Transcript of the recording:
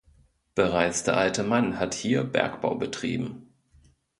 Bereits der Alte Mann hat hier Bergbau betrieben.